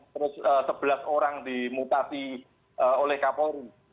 terus sebelas orang dimutasi oleh kapolri